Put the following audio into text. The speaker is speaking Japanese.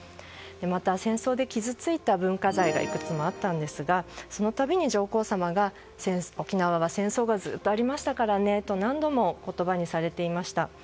また、戦争で傷ついた文化財がいくつもあったんですがその度に上皇さまが沖縄は戦争がずっとありましたからねと何度も言葉にされていました。